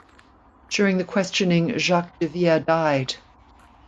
During the questioning Jacques de Via died.